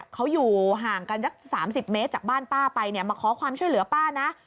เขาอยู่ห่างกันสัก๓๐เมตรจากบ้านป้าไปเนี่ยมาขอความช่วยเหลือป้านะ